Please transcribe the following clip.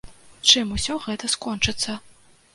Чым усё гэта скончыцца.